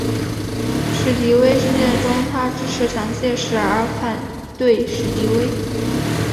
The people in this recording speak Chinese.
史迪威事件中他支持蒋介石而反对史迪威。